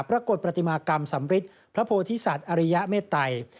ปรากฏปฏิมากรรมสำริทพระโพธิสัตว์อริยเมตรัย